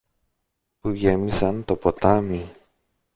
που γέμιζαν το ποτάμι